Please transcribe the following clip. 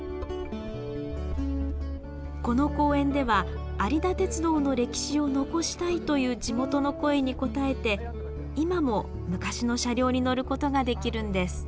この公園では有田鉄道の歴史を残したいという地元の声に応えて今も昔の車両に乗ることができるんです。